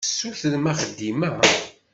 Tessutrem axeddim-a.